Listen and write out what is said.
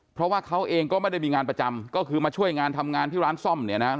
เพราะว่าเขาเองก็ไม่ได้มีงานประจำก็คือมาช่วยงานทำงานที่ร้านซ่อมเนี่ยนะครับ